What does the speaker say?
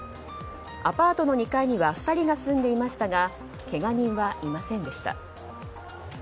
アパートの２階には２人が住んでいましたがけが人はいませんでした。